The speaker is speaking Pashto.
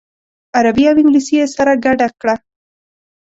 عربي او انګلیسي یې سره ګډه کړه.